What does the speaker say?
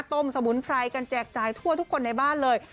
สมุนไพรกันแจกจ่ายทั่วทุกคนในบ้านเลย